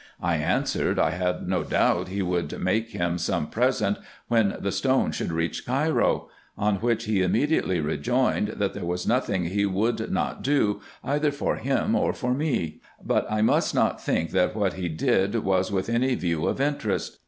I answered, I had no doubt he would make him some present when the stone should reach Cairo ; on which he im mediately rejoined, that there was nothing he would not do either for him or for me ; but I must not think that what he did was with any view of interest.